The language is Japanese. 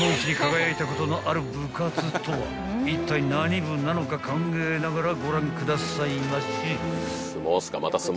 ［いったい何部なのか考えながらご覧くださいまし］